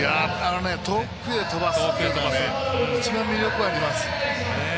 遠くへ飛ばすというのは一番、魅力あります。